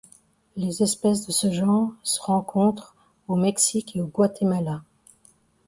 Les espèces de ce genre s rencontrent au Mexique et au Guatemala.